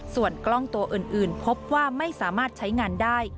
ส่วนกล้องตัวอื่นพบว่าไม่สามารถใช้งานได้